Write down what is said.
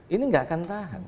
ini enggak akan tahan